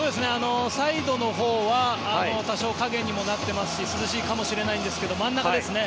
サイドのほうは多少、影にもなっていますし涼しいかもしれないんですが真ん中ですね